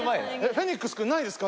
フェニックスくんないですか？